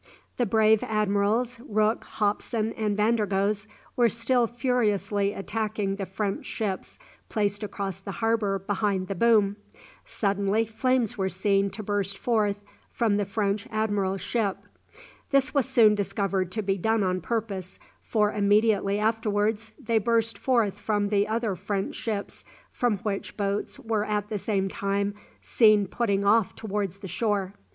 The brave Admirals Rooke, Hopson, and Vandergoes, were still furiously attacking the French ships placed across the harbour behind the boom. Suddenly flames were seen to burst forth from the French admiral's ship. This was soon discovered to be done on purpose, for immediately afterwards they burst forth from the other French ships, from which boats were at the same time seen putting off towards the shore.